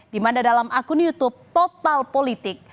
dimana dalam akun youtube total politik